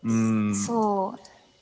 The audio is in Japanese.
そう。